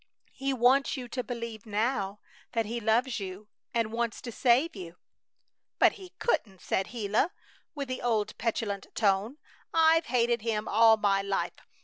He wants you to believe now that He loves you and wants to save you." "But He couldn't!" said Gila, with the old petulant tone. "I've hated Him all my life!